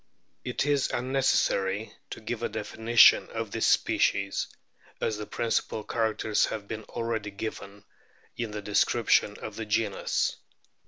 ] It is unnecessary to give a definition of this species, as the principal characters have been already given in the description of the genus.